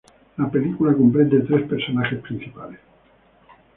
La película comprende tres personajes principales.